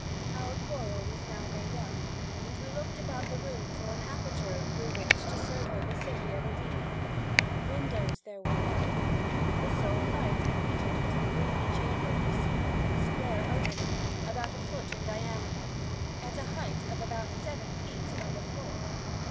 Our quarrel was now made up, and we looked about the room for an aperture through which to survey the city of Edina. Windows there were none. The sole light admitted into the gloomy chamber proceeded from a square opening, about a foot in diameter, at a height of about seven feet from the floor.